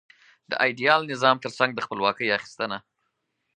د ایډیال نظام ترڅنګ د خپلواکۍ اخیستنه.